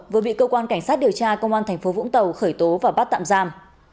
vừa bị cơ quan cảnh sát điều tra công an thành phố vũng tàu khởi tố và bắt tạm giam